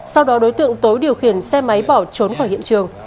sau đó đối tượng tối điều khiển xe máy bỏ trốn khỏi hiện trường